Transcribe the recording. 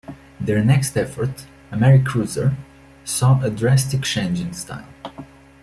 Their next effort, "Americruiser", saw a drastic change in style.